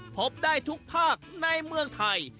พบได้ทุกภาคในเมืองไทย